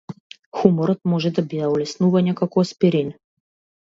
Хуморот може да биде олеснување, како аспирин.